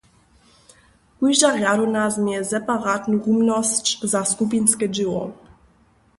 Kóžda rjadownja změje separatnu rumnosć za skupinske dźěło.